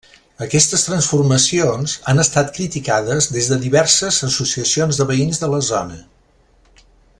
Aquestes transformacions han estat criticades des de diverses associacions de veïns de la zona.